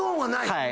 はい。